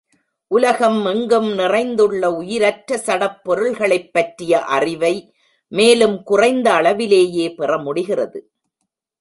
உலகம் எங்கும் நிறைந்துள்ள உயிரற்ற சடப் பொருள்களைப் பற்றிய அறிவை மேலும் குறைந்த அளவிலேயே பெற முடிகிறது.